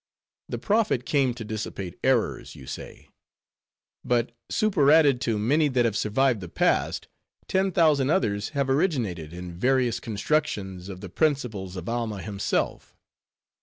The prophet came to dissipate errors, you say; but superadded to many that have survived the past, ten thousand others have originated in various constructions of the principles of Alma himself.